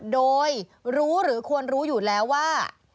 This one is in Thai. โดยรู้หรือควรรู้อยู่แล้วว่า